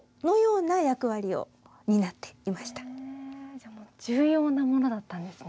じゃあ重要なものだったんですね。